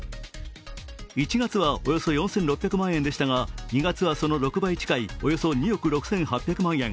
１月はおよそ４６００万円でしたが、２月はその６倍近いおよそ２億６８００万円。